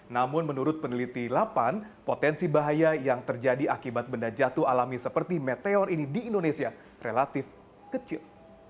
namun menurut peneliti lapan potensi bahaya yang terjadi akibat benda jatuh alami seperti meteor ini di indonesia relatif kecil